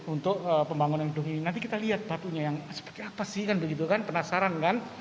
untuk pembangunan gedung ini nanti kita lihat batunya yang seperti apa sih kan begitu kan penasaran kan